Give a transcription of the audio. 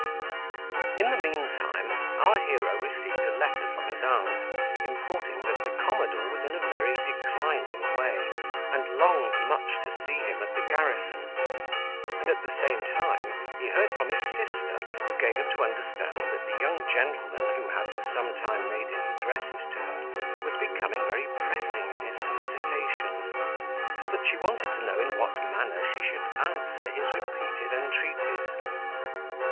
In the mean time our hero received a letter from his aunt, importing that the commodore was in a very declining way, and longed much to see him at the garrison; and at the same time he heard from his sister, who gave him to understand that the young gentleman, who had for some time made his addresses to her, was become very pressing in his solicitations; so that she wanted to know in what manner she should answer his repeated entreaties.